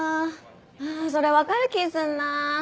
あそれ分かる気するな。